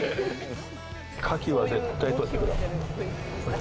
牡蠣は絶対撮ってください。